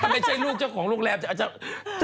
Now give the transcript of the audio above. ไม่ใช่ลูกเจ้าของโรงแรมแต่อาจจะ